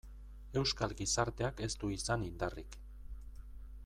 Euskal gizarteak ez du izan indarrik.